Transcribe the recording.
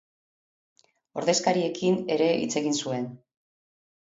Ordezkariekin ere hitz egiten zuen.